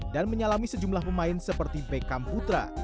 dan menyalami sejumlah pemain seperti bekam putra